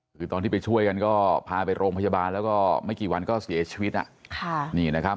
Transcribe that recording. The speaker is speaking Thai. คือตอนที่ไปช่วยกันก็พาไปโรงพยาบาลแล้วก็ไม่กี่วันก็เสียชีวิต